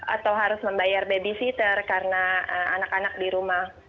atau harus membayar babysitter karena anak anak di rumah